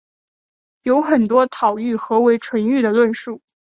有很多讨论何为纯育的论述。